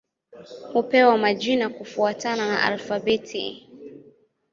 Hupewa majina kufuatana na alfabeti.